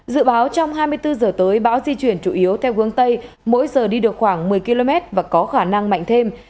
dự báo trong hai mươi bốn giờ tới bão di chuyển chủ yếu theo hướng tây mỗi giờ đi được khoảng một mươi km và có khả năng mạnh thêm